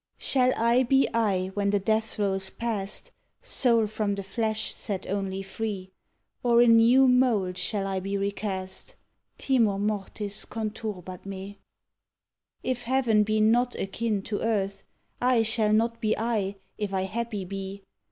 _ Shall I be I when the death throe's past, Soul from the flesh set only free, Or in new mould shall I be recast? Timor mortis conturbat me. If heaven be not akin to earth, I shall not be I, if I happy be.